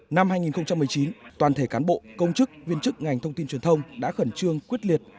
năm hai nghìn một mươi chín toàn thể cán bộ công chức viên chức ngành thông tin truyền thông đã khẩn trương quyết liệt